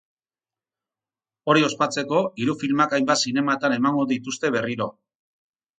Hori ospatzeko, hiru filmak hainbat zinematan emango dituzte berriro.